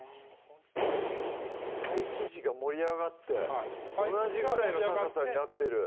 ほんとにパイ生地が盛り上がってはい同じぐらいの高さになってる